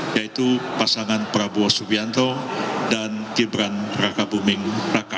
yaitu pasangan prabowo subianto dan gibran raka buming raka